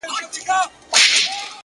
ښاغلي محمد داود خپلواک، ښاغلي معصومي صاحب